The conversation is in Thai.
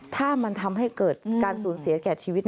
ถ้ามันทำให้เกิดการสูญเสียแก่ชีวิต